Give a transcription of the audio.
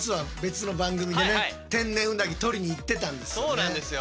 そうなんですよ。